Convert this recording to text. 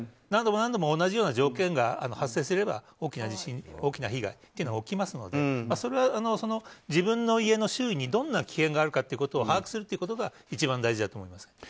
何度も何度も同じような条件が発生すれば大きな地震大きな被害は起きますのでそれは自分の家の周囲にどんな危険があるかということを把握することが一番大事だと思います。